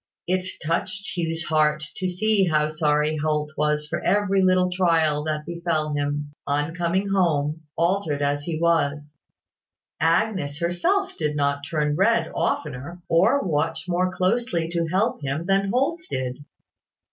It touched Hugh's heart to see how sorry Holt was for every little trial that befel him, on coming home, altered as he was. Agnes herself did not turn red oftener, or watch more closely to help him than Holt did.